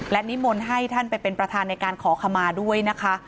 และนิมนต์ให้ท่านไปเป็นประธานในการขอขมาด้วยนะคะ